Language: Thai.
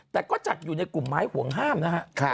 แต่ก็จัดอยู่ในกลุ่มไม้ห่วงห้ามนะฮะ